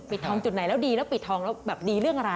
ทองจุดไหนแล้วดีแล้วปิดทองแล้วแบบดีเรื่องอะไร